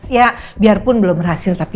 ya biarpun belum berhasil tapi